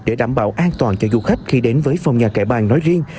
để đảm bảo an toàn cho du khách khi đến với phòng nhà kẻ bàng nói riêng